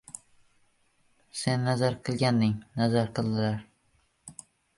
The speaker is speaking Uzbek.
Sen nazar qilganding, nazar qildilar